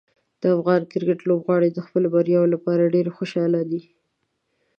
د افغان کرکټ لوبغاړي د خپلو بریاوو لپاره ډېر خوشحاله دي.